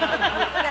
何？